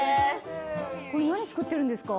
これ何作ってるんですか？